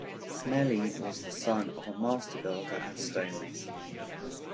Smellie was the son of a master builder and stonemason.